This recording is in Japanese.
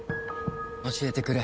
教えてくれ。